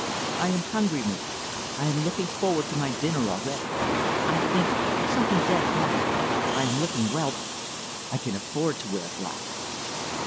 I am hungry, Marie. I am looking forward to my dinner already. I think something dead black. I am looking well tonight. I can afford to wear black."